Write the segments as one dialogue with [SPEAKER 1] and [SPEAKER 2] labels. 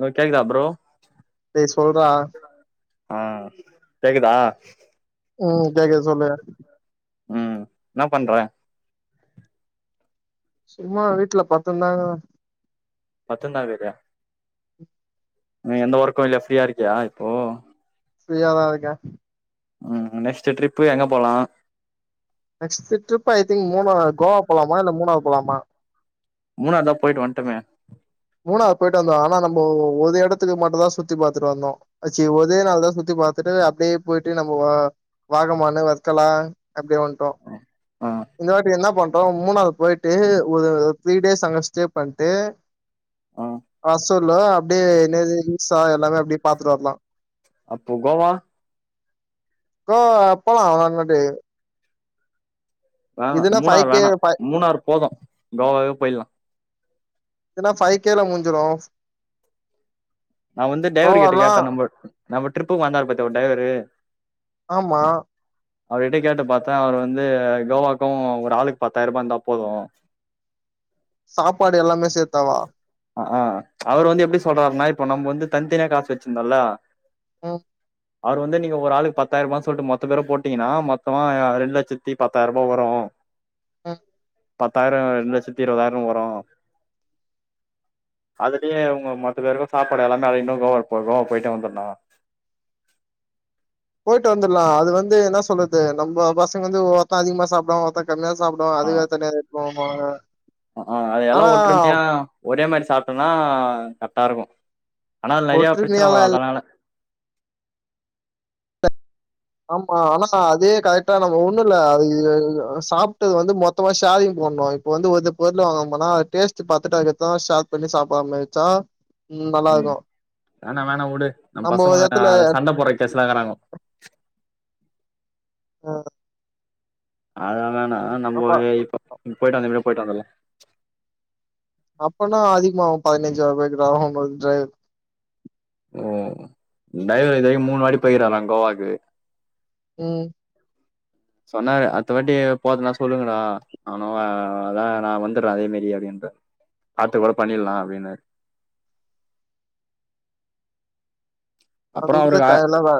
[SPEAKER 1] low கேக்குதா bro
[SPEAKER 2] டேய் சொல்றா
[SPEAKER 1] ஆஹ் கேக்குதா
[SPEAKER 2] உம் கேக்குது சொல்லு
[SPEAKER 1] ம் என்ன பண்ற
[SPEAKER 2] சும்மா வீட்டுல பத்துந்தாங்குர
[SPEAKER 1] பத்துந்தா க்கிறியா நீ எந்த ஒர்க்கு இல்ல ஃப்ரீயா இருக்கியா இப்போ
[SPEAKER 2] ஃப்ரீயாதா இருக்க
[SPEAKER 1] உம் நெக்ஸ்ட் ட்ரிஃப்பு எங்க போலா
[SPEAKER 2] next trip I think Munnar Goa போலாமா இல்ல மூணார் போலாமா
[SPEAKER 1] மூணார்தா போயிட்டு வந்ட்டமே
[SPEAKER 2] மூணார் போயிட்டு வந்தோ ஆனா நம்மோ ஒ ஒது எடத்துக்கு மட்டுந்தா சுத்தி பாத்துட்டு வந்தோ ஆச்சு ஒரே நாள்தா சுத்தி பாத்துட்டு அப்டியே போயிட்டு நம்ம வா வாகமானு வஸ்கலா அப்படியே வந் ட்டோ
[SPEAKER 1] ஆ
[SPEAKER 2] இந்த வாட்டி என்ன பண்றோ மூணார் போயிட் டு ஒது த்ரீ டேஸ் அங்க ஸ்டே பண்ட்டு
[SPEAKER 1] ஆ
[SPEAKER 2] [unintelligible] அப்டியே என்னது ஹில்சா எல்லாமே அப்டியே பாத்துட்டு வர்லா
[SPEAKER 1] அப்போ கோவா
[SPEAKER 2] கோ [inaudible]
[SPEAKER 1] வேணா மூணாறு
[SPEAKER 2] கே
[SPEAKER 1] வேணா
[SPEAKER 2] ஃபை
[SPEAKER 1] மூணாறு போது கோவாவே போய்லா
[SPEAKER 2] இதுன்னா ஃபை கேல மூஞ்சுரு
[SPEAKER 1] நா வந்து டிரைவரு கிட்ட கேட்டே நம்ம நம்ம ட்ரிப்புக்கு வந்தாரு பாத்தியா ஒரு டைய்வரு
[SPEAKER 2] ஆமா
[SPEAKER 1] அவர்கிட்ட கேட்டு பாத்தே அவரு வந்து கோவாக்கு ஒரு ஆளுக்கு பத்தாயிரம் ரூபா இருந்தா போதும்
[SPEAKER 2] சாப்பாடு எல்லாமே சேத் த்தவா
[SPEAKER 1] அ ஆ அவர் வந்து எப்டி சொல்றாருன்னா இப்ப நம்ம வந்து தனித்தனியா காசு வச்சிருந்தல்லா
[SPEAKER 2] ம்
[SPEAKER 1] அவரு வந்து நீங்க ஒரு ஆளுக்கு பத்தாயிரம் ரூபானு சொல்ட்டு மொத்த பேரும் போட்டீங்கன்னா மொத்தமா ரெண்டு லட்சத்தி பத்தாயரூபா வரும்
[SPEAKER 2] ம்
[SPEAKER 1] பத்தாயிர ரெண்டு லட்சத்தி இருபதாயிர வரும் அதுலயே உங்க மொத்த பேருக்கு சாப்பாடு எல்லாமே அடங்கிடு கோவா கோவா போயிட்டே வந்துருலா
[SPEAKER 2] ட்டு வந்துடலா அது வந்து என்ன சொல்றது நம்ம பசங்க வந்து ஒவ்வொருத்த அதிகமா சாப்டுவாங்க ஒவ்வொருத்த கம்மியா சாப்புடுவாங்க
[SPEAKER 1] ஆ
[SPEAKER 2] அதுவே தனியா எடுத்துட்டு வரணும்பாங்க
[SPEAKER 1] ஆ அது எல்லா ஒற்றுமையா ஒரே மாரி சா சாப்பிட்டோம்னா கரெக்டா இருக்கும் ஆனா அதுல நெறைய பிரச்சன
[SPEAKER 2] ஒற்றுமையாலா
[SPEAKER 1] வரும்
[SPEAKER 2] இல்ல
[SPEAKER 1] அதனால
[SPEAKER 2] ஆமா ஆனா அதே கரெக்டா நம்ம ஒண்ணு இல்ல அது சாப்பிட்டது வந்து மொத்தமா ஷேரிங் போடணு இப்ப வந்து ஒரு இது பொருள் வாங்கனம்னா டேஸ்ட் பாத்துட்டு அதுக்கடுத்துதா ஷேர் பண்ணி சாப்புட்ற மாரி இருந்துச்சா
[SPEAKER 1] ம் வேணா வேணா வுடு நம்ம
[SPEAKER 2] ஒரு
[SPEAKER 1] பசங்க
[SPEAKER 2] எடத்துல
[SPEAKER 1] அத சண்ட போட்ற கேசலாம் இருக்றாங்க
[SPEAKER 2] ஆ
[SPEAKER 1] அத வேணா நம்போ இப்ப போய்ட்டு வந்த மாரியே போயிட்டு வந்துருலா
[SPEAKER 2] அப்பனா அதிகமாவு பதினைஞ்சாயிரூபா கிட்ட ஆகும் பதினைஞ்சாயிர
[SPEAKER 1] ஓ டைவர் இதுவரைக்கு மூணு வாடி போயிக்றாரா கோவாக்கு
[SPEAKER 2] ம்
[SPEAKER 1] சொன்னாரு அடுத்த வாட்டி போதுன்னா சொல்லுங்கா நானு அ அதா நா வந்துட்றே அதே மாரி அப்டின்ட்டு பாத்து கூட பண்ணிடலா அப்டின்னு அப்றோ
[SPEAKER 2] அதுக்குள்ள
[SPEAKER 1] அவருக்கு ஆ
[SPEAKER 2] க எல்லா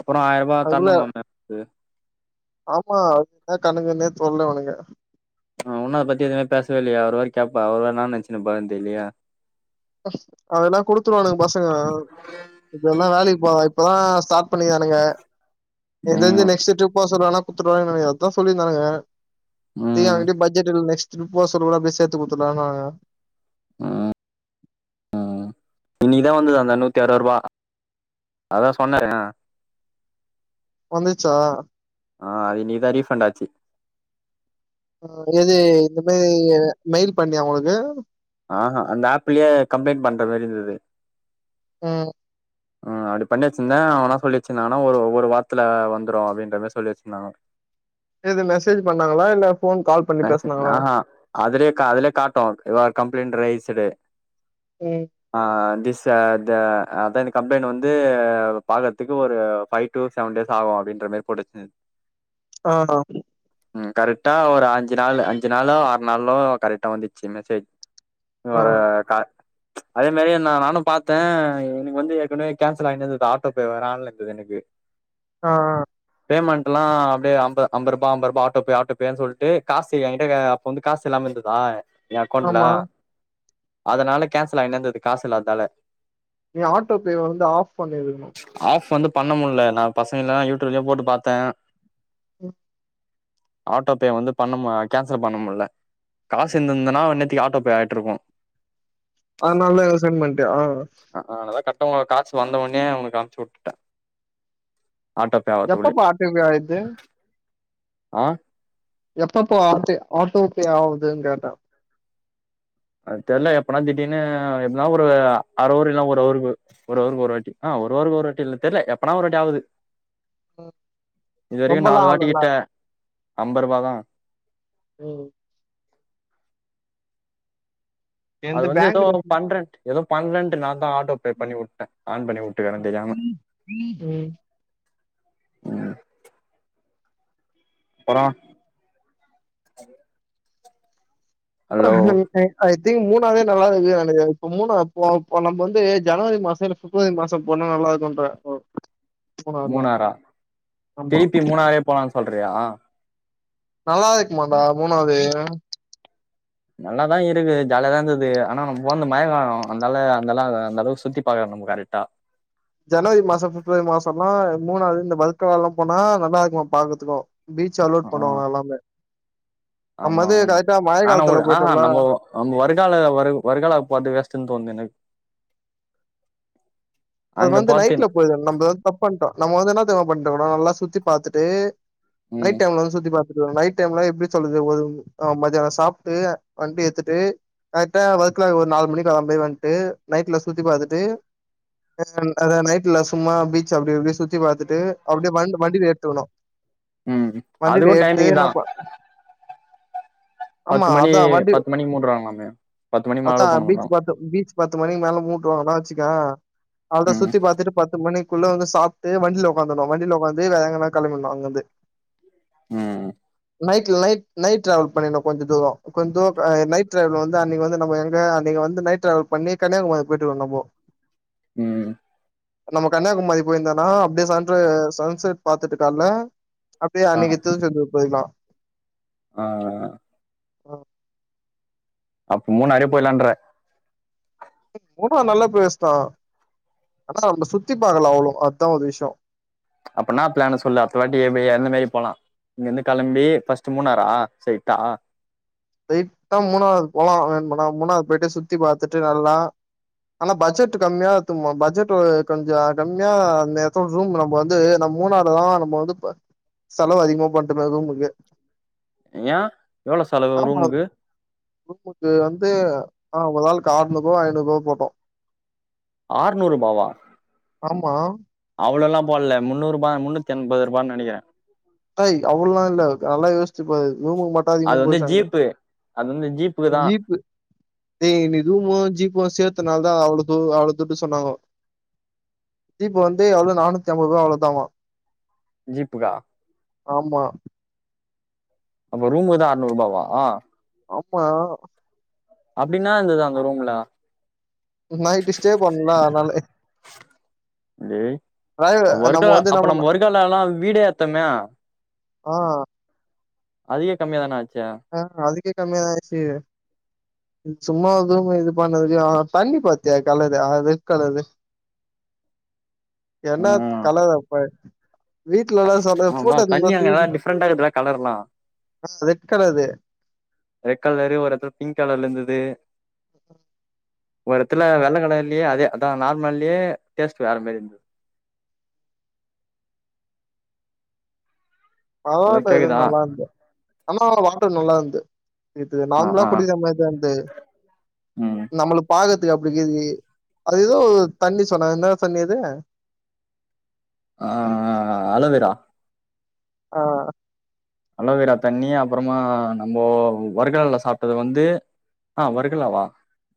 [SPEAKER 1] அப்றோ ஆயர்ரூபா
[SPEAKER 2] அதுக்குள்ள
[SPEAKER 1] தரணும்மாமே அவருக்கு
[SPEAKER 2] ஆமா அது என்ன கணக்குனே சொல்லல அவனுங்க
[SPEAKER 1] ஆ இன்னு அத பத்தி எதுமே பேசவே இல்லையா அவரு வேற கேட்பா அவரு வேற என்னா நெனச்சின்னு இருப்பாருனு தெரிலயே
[SPEAKER 2] அதெல்லா குடுத்துருவானுங்க பசங்க இப்ப எல்லா வேலைக்கு போவ இப்பதா ஸ்டாட் பண்ணிக்றானுங்க எனக்கு
[SPEAKER 1] ம்
[SPEAKER 2] தெரிஞ்சு நெக்ஸ்ட் ட்ரிப் போ சொல்லனா குத்துடுருவானுங்கனு நெனைக்ற அதுதா சொல்லிருந்தானுங்க நீங்க
[SPEAKER 1] ம்
[SPEAKER 2] அங்குட்டு பட்ஜெட் இல்ல நெக்ஸ் திருப்ப போ சொல்லகுள்ள அப்டியே சேத்து குடுத்துடலான்னானுங்க
[SPEAKER 1] ம் இன்னிக்கிதா வந்துகு அந்த நூத்தி அறுவது ரூவா அதா சொன்னாரு
[SPEAKER 2] வந்துருச்சா
[SPEAKER 1] ஆ அது இன்னக்கிதா ரீஃபண்டாச்சு
[SPEAKER 2] அ எது இந்த மாரி மெயில் பண்ணியா அவங்களுக்கு
[SPEAKER 1] ஆஹூ அந்த ஆப்லயே கம்ப்ளைண்டட் பண்ற மாரி இருந்துது
[SPEAKER 2] ம்
[SPEAKER 1] ம் அப்டி பண்ணி வச்சிருந்த அவங்க என்ன சொல்லி வச்சிருந்தாங்கனா ஒரு ஒரு வாரத்துல வந்துரும் அப்டின்ற மாரி சொல்லி வச்சிருந்தாங்க
[SPEAKER 2] எது மெசேஜ் பண்ணாங்களா இல்ல ஃபோன் கால் பண்ணி
[SPEAKER 1] மேக்சிம்
[SPEAKER 2] பேசுனாங்களா
[SPEAKER 1] ஆஹா அதுலே கா அதுலே காட்டு யு ஆர் கம்ப்ளைண்ட் ரெய்சுடு
[SPEAKER 2] ம்
[SPEAKER 1] ஆஹ் திஸ் ச த அத்தா இந்த கம்ப்ளைண்ட் வந்து பாக்கதுக்கு ஒரு ஃபைவ் டு செவன் டேஸ் ஆகு அப்டின்ற மேரி போட்டு வெச்சி
[SPEAKER 2] ஆஹ் ஹ
[SPEAKER 1] ம் கரெட்டா ஒரு ஆஞ் சு நாளு அஞ்சு நாளோ ஆறு நாளோ கரெட்டா வந்துச்சி மெசேஜ் ‌ [unintelligible]
[SPEAKER 2] ஆ
[SPEAKER 1] வர கா அதே மேரி நா நானும் பாத்தே எனுக்கு வந்து ஏக்னவே கேன்சல் ஆய்ந்தது ஆட்டோபே வேற ஆன்லந்தது எனுக்கு
[SPEAKER 2] ஆஹ் ஆஹ்
[SPEAKER 1] பேமண்ட்டல்லா அப்டே அம்ப அம்பரூபா அம்பரூபா ஆட்டோ பே ஆட்டோ பே சொல்ட்டு காசு ஏங்கிட்ட அப்ப வந்து காசு இல்லாம இந்ததா ஏ அக்கோண்ட்ல
[SPEAKER 2] ஆமா
[SPEAKER 1] அதனால கேன்சல் ஆய்னேந்தது காஸ் இல்லாத்தால
[SPEAKER 2] நீ ஆட்டோ பே வந்து ஆஃப் பண்ணிருக்ணு
[SPEAKER 1] ஆஃப் வந்து பண்ண முல்ல நா பசங்கலா யூடியூப்லியு போட்டு பாத்தே
[SPEAKER 2] உம்
[SPEAKER 1] ஆட்டோ பே வந்து பண்ண மு கேன்சல் பண்ணமுல்ல காசிந்திந்ததனா இன்னத்திக்கு ஆட்டோ பே ஆயிட்ருக்கு
[SPEAKER 2] த ஆ அ அ
[SPEAKER 1] அ அ அனாலதா க ட்டு உங்க காஸு வந்த ஒன்னியே உங்ளுக் அம்ச்சி உட்டுட்டே
[SPEAKER 2] எப்பப்பா ஆட்டோ பே ஆய்ர்து
[SPEAKER 1] ஆ
[SPEAKER 2] எப்பப்போ ஆட்டு ஆட்டோ பே ஆவுதுன் கேட்டே
[SPEAKER 1] அத் தெர்ல எப்பனா திடிர்னு எத்னா ஒரு அ அர அவுரு இல்னா ஒரு அவ்ருக்கு ஒரு அவ்ருக்கு ஒரு வாட்டி அ ஒரு அவ்ருக்கு ஒரு வாட்டி இல்லத் தெர்ல எப்பனா ஒரு வாட்டி ஆவுது இதுவரிகு
[SPEAKER 2] ரொம்பலா
[SPEAKER 1] நாலு வாட்டி
[SPEAKER 2] ஆகலல்ல
[SPEAKER 1] கிட்ட அம்பரூபாதா
[SPEAKER 2] உம்
[SPEAKER 1] அது
[SPEAKER 2] எந்து
[SPEAKER 1] வந்து எதோ
[SPEAKER 2] பேங்க்ல
[SPEAKER 1] பண்ரென்ட் எதோ பண்ரென்ட்டு நாந்தா ஆட் டோ பே பண்ணி உட்டே ஆன் பண்ணி உட்டுக்குற தெரியாம
[SPEAKER 2] ம்
[SPEAKER 1] ப்பறோ
[SPEAKER 2] [unintelligible] தி மூணாவ்த நல்லா [unintelligible] இப்ப மூணா போ போ நம்ப வந்து ஜனவரி மாசம இல்ல ஃபிப்ரவரி மாச போனா நல்லாருக்குன்ற
[SPEAKER 1] மூணாரா திரிப்பி மூணாரே போலான் சொல்றியா
[SPEAKER 2] நல்லாதி இக்குமான்டா மூணாவ்தே
[SPEAKER 1] நல்லாதா இருக்கு ஜாலியாதா இருந்தது ஆனா நம்ம போன்து மழ காலோ அந்தால அந்தல்லா அந்த அளவுக்கு சுத்தி பாக்குறோ நம்ம கரெட்டா
[SPEAKER 2] ஜனவரி மாசோ பிப்ரவரி மாசோன்னா மூணாறு இந்த ஒரத்தநாடுல்லா போனா நல்லா இருக்கு பாக்கர்துக்கோ பீச்
[SPEAKER 1] ஆ
[SPEAKER 2] அலோட் பண்ணுவாங்க எல்லாமே நம்ம
[SPEAKER 1] ஆமா
[SPEAKER 2] வந்து
[SPEAKER 1] ஆமா
[SPEAKER 2] கரெக்டா மழை
[SPEAKER 1] ஆனா உ
[SPEAKER 2] காலத்துல
[SPEAKER 1] ஆ ஆ
[SPEAKER 2] போயிட்டோம்ல
[SPEAKER 1] நம்ம வருகால வரு வருகால பாத்து வேஸ்ட்டுன் தோண்து எனக்
[SPEAKER 2] அது வந்து நைட்ல போய் [unintelligible] நம்ம வந்து தப் பண்ட்டோ நம்ம வந்து என்ன என்ன தெர்மா பண்ட்ருக்கனு நல்லா சுத்தி பாத்துட்டு
[SPEAKER 1] ம்
[SPEAKER 2] நைட் டைம்ல வந்து சுத்தி பாத் நைட் டைம்ல எப்டி சொல்றது ஒரு மத்யானோ சாப்ட்டு வண்டி ஏத்துட்டு கரெக்டா ஒரத்தநாடு ஒரு நாலு மணி கெழம்பி வந்துட்டு நைட்ல சுத்தி பாத்துட்டு அ அதா நைட்ல சும்மா பீச்ச அப்டி இப்டி சுத்தி பாத்துட்டு அப்டியே வண் வண்டில எத்துக்கணு
[SPEAKER 1] ம் அதுக்கோ டைமிங் தா
[SPEAKER 2] ஆமா
[SPEAKER 1] பத்து மணி
[SPEAKER 2] அதா வண்டி
[SPEAKER 1] பத்து மணிக்கு மூடுறாங்களாமே பத்து மணிக்கு மேல
[SPEAKER 2] அதா
[SPEAKER 1] அலோவ் பண்ண
[SPEAKER 2] பீச்
[SPEAKER 1] மாட்றாங்க
[SPEAKER 2] பத்து பீச் பத்து மணிக் மேல மூட்டுவாங்கல ச்சிகா அவ்ளதா
[SPEAKER 1] ம்
[SPEAKER 2] சுத்தி பாத்துட்டு பத்து மணி குள்ள வந்து சாப்டு வண்டில ஒக்காந்துகனு வண்டில ஒக்காந்து வேற எங்கனா கெளம்பிட்ணு அங்கருந்து
[SPEAKER 1] ம்
[SPEAKER 2] நைட்ல நை நைட் ட்ரவல் பண்ணிட்ணோ கொஞ்ச தூரோ கொஞ்ச தூர நைட் ட்ரவல் வந்து அன்னிக்கு வந்து நம்ம எங்க அன்னிக்கு வந்து நை்ட் ட்ரவல் பண்ணி கன்யாகுமரி போயிட்டிருக்கோ நம்மோ
[SPEAKER 1] ம்
[SPEAKER 2] நம்ம கன்யாகுமரி போய்ந்தோனா அப்டி சன்ர சன்செட் பாத்துட்டு கால்ல அப்டியே அன்னைக்கு‌ திருச்செந்தூர் போய்லா
[SPEAKER 1] ஆ ஆ ஆ
[SPEAKER 2] ஒ
[SPEAKER 1] அப்ப மூணாறே போயில்லான்ற
[SPEAKER 2] மூணாறு நல்ல ப்ளேஸ் தா ஆனா நம்ம சுத்தி பாக்ல அவ்ளோ அத்தா ஒரு விஷ்யோ
[SPEAKER 1] அப்பனா ப்ளானு சொல்லு அத்த வாட்டி எப்பி எந்த மாரி போலா இங்க இந்து கெளம்பி ஃபர்ஸ்ட்டு மூணாரா ஸ்ட்ரைட்டா
[SPEAKER 2] ஸ்டைட்டா மூணாறு போலா வேணும்னா மூணாறு போய்டு சுத்தி பாத்துட்டு நல்லா ஆனா பட்ஜெட் கம்மியா எத்துன்போ பட்ஜெட் கொஞ்சோ கம்மியா அந்த எத்துல ரூம் நம்ம வந்து நம் மூணாறு தா நம்ம வந்து செலவு அதிகமா பண்டேமே ரூமுக்கை
[SPEAKER 1] ஏயா எவ்ளோ செலவு ரூமுக்கு
[SPEAKER 2] ரூமுக்கு வந்து ஆ ஒரு ஆளுக்கு ஆற்நூறுவா ஐநூறுவா போட்டோ
[SPEAKER 1] ஆற்நூற்பாவா
[SPEAKER 2] ஆமா
[SPEAKER 1] அவ்ளோல்லா போல்ல முன்னூறுபா முன்னூத்தி ஐம்பத்ரூபான்னு நெனைக்கிற
[SPEAKER 2] ஏய் அவ்ளோல்லா இல்ல நல்லா யோசிச்சு பாரு ரூமுக்கு மட்டு அதிகமா
[SPEAKER 1] அது வந்து
[SPEAKER 2] போச்சு அங்க
[SPEAKER 1] ஜீப்பு அது வந்து ஜீப்புக்கு தா
[SPEAKER 2] ஜீப்பு ஏய் நீ ரூமு ஜீப்பு சேத் இத்த நாள் தா அவ்ளோ து அவ்ளோ துட்டு சொன்னாங்கோ ஜீப்பு வந்து அவ்ளோ நானூத்தி அம்பது ரூபா அவ்ளோதா அவோ
[SPEAKER 1] ஜீப்புகா
[SPEAKER 2] ஆமா
[SPEAKER 1] அப்ப ரூமுக்குதா அற்நூர் ரூபாவா
[SPEAKER 2] ஆமா
[SPEAKER 1] அப்டின்னா இருந்தது அந்த ரூம்முல
[SPEAKER 2] நைட்டு் ஸ்டே பண்ணலா அதனால
[SPEAKER 1] டேய்
[SPEAKER 2] நம்ம
[SPEAKER 1] வர்கா
[SPEAKER 2] வந்து
[SPEAKER 1] அப்ப
[SPEAKER 2] நம்ம
[SPEAKER 1] வர்காலல்லா வீடே எத்தமே
[SPEAKER 2] ஆ
[SPEAKER 1] அதியே கம்மிய தானா
[SPEAKER 2] ஆ அதுக்கு கம்மியாருக்கு சும்மா எதுவு இது பண்ணதுக்கு தண்ணி பாத்தியா கலர் அ ரெட் கலரு என்ன கலறப்ப து
[SPEAKER 1] ஆ தண்ணி அங்க எல்லா டிப்ரெண்டா இருக்குலா கலர்லாம்
[SPEAKER 2] ரெட் கலரு
[SPEAKER 1] ரெட் கலரு ஒரு இடத்துல பிங்க் கலர்ல இருந்து தே ஒரு இடத்துல வெள்ளை கடையயே அதே அதான் நார்மலே டெஸ்ட் வேற மாரி இருந்து
[SPEAKER 2] பதல எதுவு
[SPEAKER 1] கேக்குதா
[SPEAKER 2] நல்லா இருந்தே [unintelligible] வாட்டர் நல்லா இருந்தே இது
[SPEAKER 1] ஆ
[SPEAKER 2] நார்மலா
[SPEAKER 1] ஆ
[SPEAKER 2] கொடிக்கிறா மா [unintelligible] இது அந்த
[SPEAKER 1] ம்
[SPEAKER 2] நம்மளுக்கு பக்கு அப்டி கிது அத ஏதோ தண்ணி சொன்னாங்க என்ன தண்ணி அது
[SPEAKER 1] ஆஹ அலவேரா
[SPEAKER 2] ஆஹ
[SPEAKER 1] அலேவேரா தண்ணி அப்புறோமா நம்ம வர்கல்ல சாப்பிட்டது வந்து ஆஹ் வருர்காவா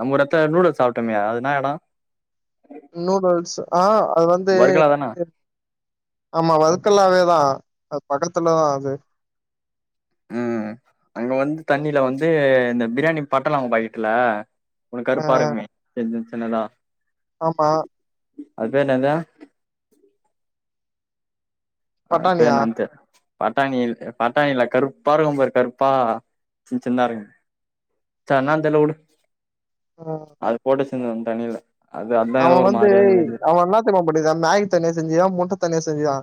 [SPEAKER 1] நம்ம ஒரு இடத்துல நூடுல்ஸ் சாப்பிட்டோலா அது எந்த இடம்
[SPEAKER 2] நூடுல்ஸ் ஆஹ் அது வந்து
[SPEAKER 1] வர்கலா தான
[SPEAKER 2] ஆமா வதுக்கல்லாவேதான் அது பக்கத்துலதா அது
[SPEAKER 1] உம் அங்க வந்து தண்ணியில வந்து பிரியாணி பட்டலாவங்க பாக்கட்டுலா உம்
[SPEAKER 2] ஆ
[SPEAKER 1] கருப்பா இருங்கமே என்னதா
[SPEAKER 2] ஆமா
[SPEAKER 1] அது பெ ன்னது ஆது
[SPEAKER 2] பட்டாணியா
[SPEAKER 1] ப்பென்கேல் பட்டாணி பட்டாணில்ல கருப்பா இருக்கும் பாரு கருப்பா ச சின்ன சின்னாத இருக்கு ச என்னனு தெரியால உடு
[SPEAKER 2] ம்
[SPEAKER 1] அது போட்டுஷ் ஆ தண்ணியில
[SPEAKER 2] அவன் வந்து அவன் என்ன தேரியுமா பண்ணியிருக்கன் நாய் தண்ணிய செஞ்சு யான் முட்ட தண்ணிய செஞ் இதுயா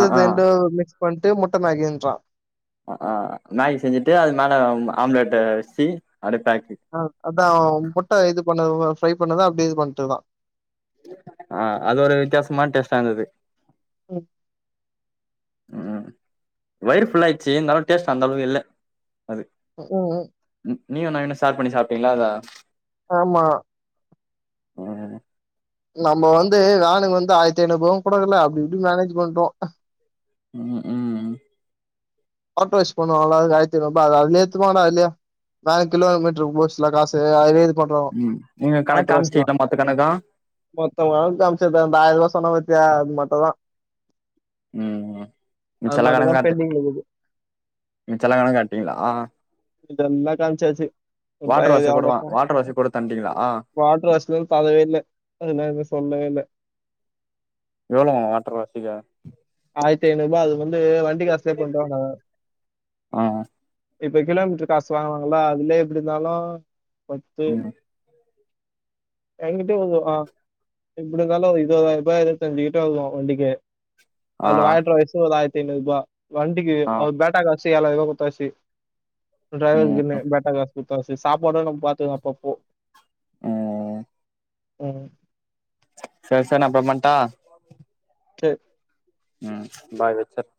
[SPEAKER 1] ஆ ஆ
[SPEAKER 2] தெண்டு மிக்ஸ் பண்ணிட்டு முட் முட்டமெகின்றா
[SPEAKER 1] ஆ மேகி செஞ்சுட்டு அது மேல ஆம்லெட்ட வச்சு அப்டியே பேக்
[SPEAKER 2] ஆ அதான் முட்ட இது பண்ணவா ட்ரை பண்ணதா அப்டிய இது வண்ணட்டனா
[SPEAKER 1] ஆ அது ஒரு வித்தியாசமான டேஷ்ட இருந்தது
[SPEAKER 2] ம்
[SPEAKER 1] வயிறு ஃபுல்ல ஆயிடுச்சு இருந்தாலு டேஸ்ட்டு அந்தாலவுக்கு இல்ல அது
[SPEAKER 2] உம்
[SPEAKER 1] நீயு நவினு ஸ்ஷேர் பண்ணிப்பிட்டீங்களா அத
[SPEAKER 2] ஆமா
[SPEAKER 1] ம்
[SPEAKER 2] நம்ம வந்து ஆலு வந்து ஆயிரத்தி ஐநூறு கூடக்கல்ல அப்படியோ மேனேஜ் பண்றோம்
[SPEAKER 1] உம் ம்
[SPEAKER 2] வாட்ரு வாஷ் பண்ணுவாங்கல அதுக்கு ஆயித்து அற்நூறுபா அது அதுலயே எத்துபாங்கனா அதுலுயே நாலு கிலோமீட்ருக்கு போச்சுல காசு அதுலுயே பண்றோ
[SPEAKER 1] ம் நீங்க கணக்கு
[SPEAKER 2] வாட்ரு வாஷ்லா
[SPEAKER 1] காமிச்சீங்களா மொத்த கணக்கு
[SPEAKER 2] மொத்தமா அம்ச்ச பாரு அந்த ஆயிரபா செல வாச்சி அம்ச்சியே அது மட்டுதா
[SPEAKER 1] ம் நீ செலவு கணக்க காட்டு
[SPEAKER 2] பெண்டிங்ல இருக்குது
[SPEAKER 1] நீங்க செலவுகணக்க காட்னீங்களா
[SPEAKER 2] இதெல்லா காம்ச்சாச்சு
[SPEAKER 1] வாஷ் கூடவா
[SPEAKER 2] [unintelligible]
[SPEAKER 1] வாட்டர் வாஷ் கூட தந்துட்டீங்களா
[SPEAKER 2] வாட்டடர் வாஷ்லா தரவே இல்ல அதெல்ல சொல்லவே இல்ல
[SPEAKER 1] எவ்வளோங்க வாட்டர் வாஷுக்கு
[SPEAKER 2] ஆயர்த்தி ஐநூறு ரூபா அது வந்து வண்டி காசுலே பண்றுவாங்க
[SPEAKER 1] ஆ
[SPEAKER 2] இப்ப கிலோமீட்டரு காசு வாங்குவாங்கல அதுலயே எப்டி இருந்தாலோ பத்து
[SPEAKER 1] ம்
[SPEAKER 2] எங்க்கிட்ட வரு எப்படி இருந்தாலோ இருபதாயிரபா இருபத்தஞ்சு கிட்ட இருக்கு வண்டிக்கு
[SPEAKER 1] ஆ
[SPEAKER 2] அதுல வாட்டர் வாஷ் ஒரு ஆயிர் ஐநூறுபா வண்டிக்கு
[SPEAKER 1] ஆ
[SPEAKER 2] அவ பேட்டா காசு சி ஏழாயிருபா குடுத்தாச்சி ஒரு
[SPEAKER 1] ம்
[SPEAKER 2] டிரைவருக்குன்னு பேட்டா காசு குட்த்தாசி சாப்பாடு நம்ம பாத்துக்கலா அப்பப்போ
[SPEAKER 1] ம்
[SPEAKER 2] ம்
[SPEAKER 1] சரி சார் நா அப்றோ பண்ட்டா
[SPEAKER 2] சரி
[SPEAKER 1] ம் பாய் வெச்சுர்ர